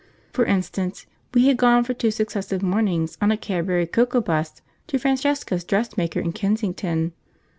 For instance, we had gone for two successive mornings on a Cadbury's Cocoa 'bus to Francesca's dressmaker in Kensington.